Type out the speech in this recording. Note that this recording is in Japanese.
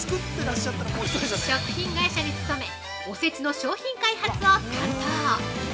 食品会社に勤め、おせちの商品開発を担当。